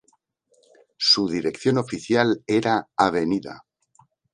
Su dirección oficial era Av.